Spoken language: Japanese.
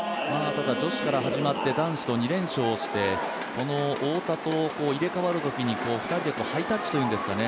女子から始まって男子と２連勝して太田と入れ替わるときに２人でハイタッチというんですかね